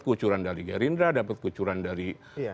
kucuran dari gerindra dapat kucuran dari